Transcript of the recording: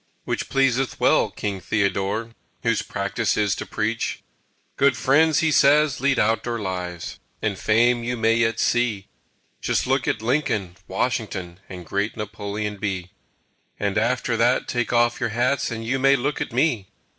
Which pleaseth well King Theodore, Whose practice is to preach. "Good friends," he says, "lead outdoor lives And Fame you yet may see Just look at Lincoln, Washington, And great Napoleon B.; And after that take off your hats And you may look at me!"